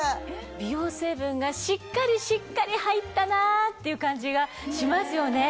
美容成分がしっかりしっかり入ったなっていう感じがしますよね。